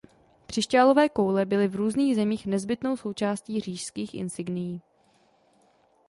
Křišťálové koule byly v různých zemích nezbytnou součástí říšských insignií.